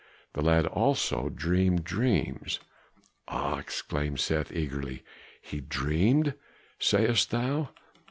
The lad also dreamed dreams " "Ah!" exclaimed Seth eagerly, "he dreamed, sayest thou?"